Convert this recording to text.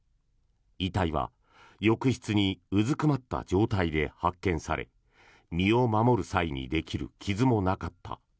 遺体は浴室にうずくまった状態で発見され身を守る際にできる傷もなかった。